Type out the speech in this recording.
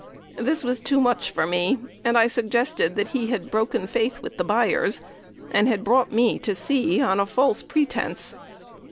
This was too much for me, and I suggested that he had broken faith with the buyers, and had brought me to C on a false pretence.